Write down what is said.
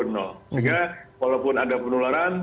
jadi kita harus menurut saya walaupun ada penularan